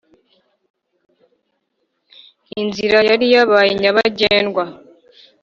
inzira yari yabaye nyabagendwa